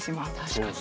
確かに。